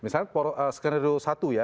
skenario satu ya